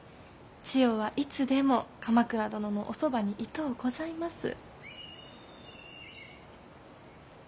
千世はいつでも鎌倉殿のおそばにいとうございます。